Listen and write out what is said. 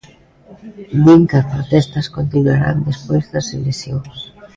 Din que as protestas continuarán despois das eleccións.